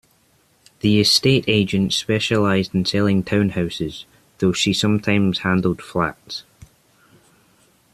The estate agent specialised in selling townhouses, though she sometimes handled flats